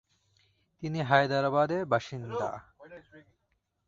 তিনি হায়দ্রাবাদের বাসিন্দা।